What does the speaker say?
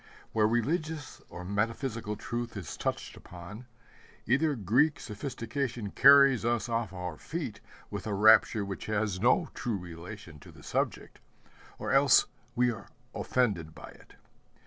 Where religious or metaphysical truth is touched upon, either Greek sophistication carries us off our feet with a rapture which has no true relation to the subject, or else we are offended by it.